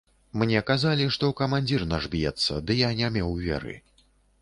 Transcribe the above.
Мне казалі, што камандзір наш б'ецца, ды я не меў веры.